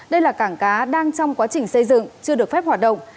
đây là cảng cá đang trong quá trình xây dựng chưa được phép hoạt động